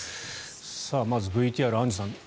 まずＶＴＲアンジュさん